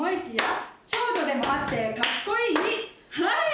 はい！